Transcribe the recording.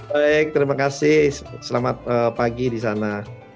baik terima kasih selamat pagi di sana